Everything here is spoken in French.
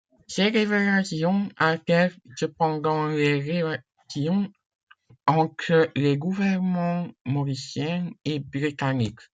Ces révélations altèrent cependant les relations entre les gouvernements mauriciens et britanniques.